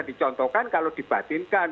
dicontohkan kalau dibatinkan